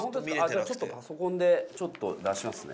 じゃあちょっとパソコンでちょっと出しますね。